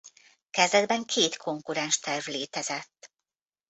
Kezdetben két konkurens terv létezett.